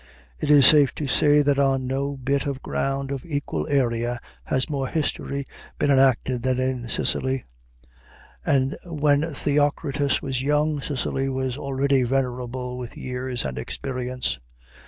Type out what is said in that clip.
It is safe to say that on no bit of ground of equal area has more history been enacted than in Sicily; and when Theocritus was young, Sicily was already venerable with years and experience.